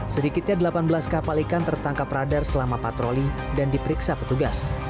sedikitnya delapan belas kapal ikan tertangkap radar selama patroli dan diperiksa petugas